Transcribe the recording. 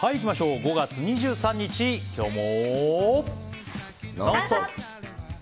５月２３日、今日も。